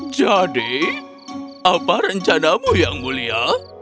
jadi apa rencanamu yang mulia